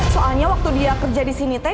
soalnya waktu dia kerja di sini teh